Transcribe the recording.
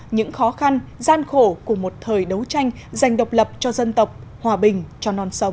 những khó khăn gian khổ của một thời đấu tranh dành độc lập cho dân tộc hòa bình cho non sông